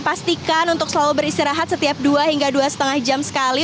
pastikan untuk selalu beristirahat setiap dua hingga dua lima jam sekali